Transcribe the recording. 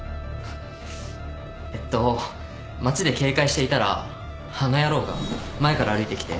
えっと街で警戒していたらあの野郎が前から歩いてきて。